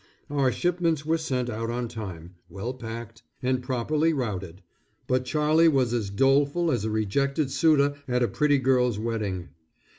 Our shipments were sent out on time, well packed, and properly routed, but Charlie was as doleful as a rejected suitor at a pretty girl's wedding.